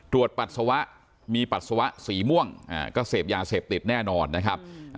ปัสสาวะมีปัสสาวะสีม่วงก็เสพยาเสพติดแน่นอนนะครับ